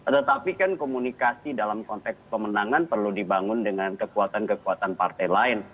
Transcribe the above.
tetapi kan komunikasi dalam konteks pemenangan perlu dibangun dengan kekuatan kekuatan partai lain